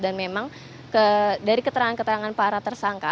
dan memang dari keterangan keterangan para tersangka